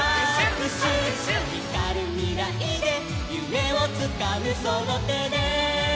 「ひかるみらいでゆめをつかむそのてで」